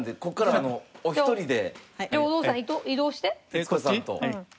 徹子さんと。